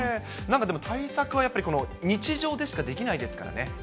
でも、対策はやっぱり、日常でしかできないですからね。